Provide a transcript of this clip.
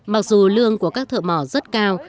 mặc dù lương của các thợ mỏ rất cao